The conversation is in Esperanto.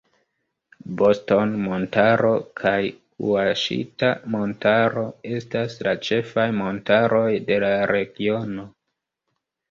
Boston-Montaro kaj Ŭaŝita-Montaro estas la ĉefaj montaroj de la regiono.